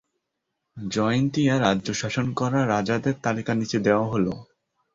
জয়ন্তীয়া রাজ্য শাসন করা রাজাদের তালিকা নিচে দেওয়া হ'ল।